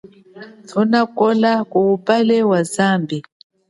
Thunakola kuwupale wa zambi.